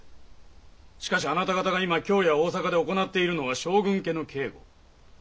しかしあなた方が今京や大坂で行っているのは将軍家の警護。